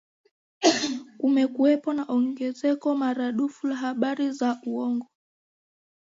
kumekuwepo na ongezeko maradufu la habari za uwongo